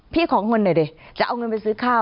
ขอเงินหน่อยดิจะเอาเงินไปซื้อข้าว